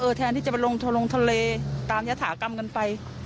เออแทนที่จะไปลงทะเลตามยศากรรมกันไป